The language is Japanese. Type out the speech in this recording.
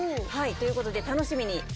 ということで楽しみに。